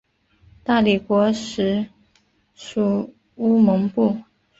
大理国时属乌蒙部。